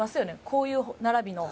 こういう並びの。